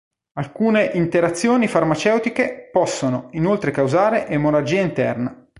Alcune interazioni farmaceutiche possono inoltre causare emorragia interna.